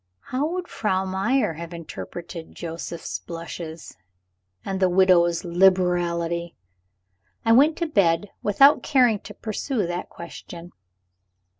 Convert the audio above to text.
How would Frau Meyer have interpreted Joseph's blushes, and the widow's liberality? I went to bed without caring to pursue that question.